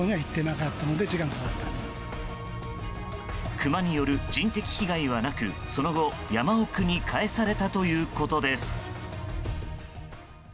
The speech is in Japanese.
クマによる人的被害はなくその後、山奥に帰されたということです。